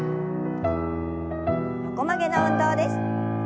横曲げの運動です。